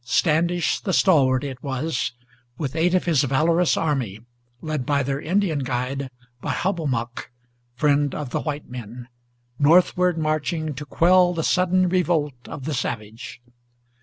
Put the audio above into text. Standish the stalwart it was, with eight of his valorous army, Led by their Indian guide, by Hobomok, friend of the white men, Northward marching to quell the sudden revolt of the savage.